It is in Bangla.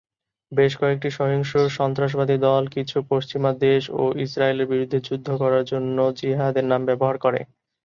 বেশ কয়েকটি সহিংস সন্ত্রাসবাদী দল কিছু পশ্চিমা দেশ ও ইসরাইলের বিরুদ্ধে যুদ্ধ করার জন্য জিহাদের নাম ব্যবহার করে।